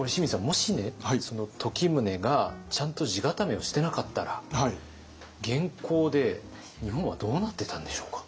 もし時宗がちゃんと地固めをしてなかったら元寇で日本はどうなってたんでしょうか？